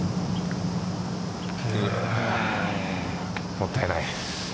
もったいない。